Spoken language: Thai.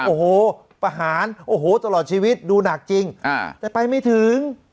โอ้โหประหารโอ้โหตลอดชีวิตดูหนักจริงแต่ไปไม่ถึง